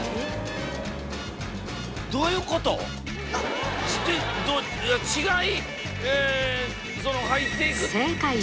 どういうこと⁉遅い！